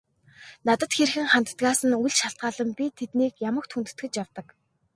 Надад хэрхэн ханддагаас нь үл шалтгаалан би тэднийг ямагт хүндэтгэж явдаг.